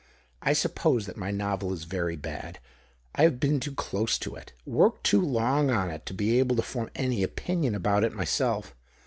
I suppose that my novel is very bad. I have been too close to it, worked too long on it, to be able to form any opinion about it myself.